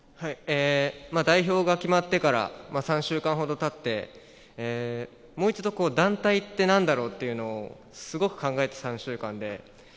代表が決まってから３週間ほど経って、もう一度、団体って何だろうっていうのをすごく考えた３週間で。